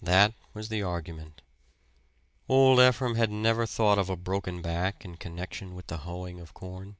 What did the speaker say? That was the argument. Old Ephraim had never thought of a broken back in connection with the hoeing of corn.